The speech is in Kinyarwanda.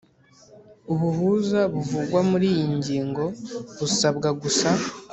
Ubuhuza buvugwa muriyi ngingo busabwa gusa